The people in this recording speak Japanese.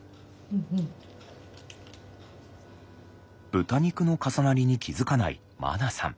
豚肉の重なりに気付かないまなさん。